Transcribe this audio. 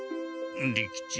利吉。